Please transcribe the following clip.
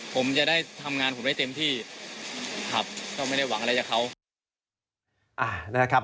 ผมจะได้ทำงานผมได้เต็มที่ครับก็ไม่ได้หวังอะไรจากเขานะครับ